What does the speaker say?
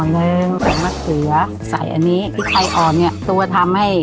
เพราะว่ามันนี่มันจะขาวอยู่แน่